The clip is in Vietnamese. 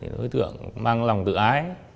đối tượng mang lòng tự ái